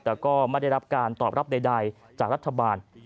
แต่ก็ไม่ได้รับการตอบรับใดจากรัฐบาล